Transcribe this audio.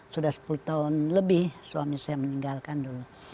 sudah sepuluh tahun lebih suami saya meninggalkan dulu